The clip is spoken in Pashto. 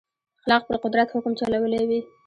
اخلاق پر قدرت حکم چلولی وي.